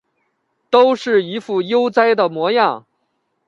都是一副悠哉的模样